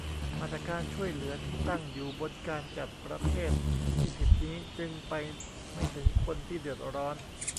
มาตรการช่วยเหลือที่ตั้งอยู่บนการจัดประเภทที่ผิดนี้ จึงไปไม่ถึงคนที่เดือดร้อน